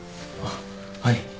あっはい。